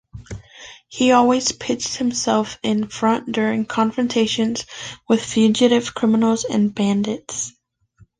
He always pitched himself in front during confrontations with fugitive criminals and bandits.